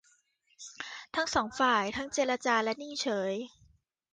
ทั้งสองฝ่ายทั้งเจรจาและนิ่งเฉย